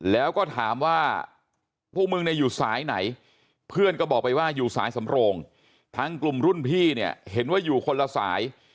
แล้วก็ถามว่าพวกมึงเนี่ยอยู่สายไหนเพื่อนก็บอกไปว่าอยู่สายสำโรงทั้งกลุ่มรุ่นพี่เนี่ยเห็นว่าอยู่คนละสาย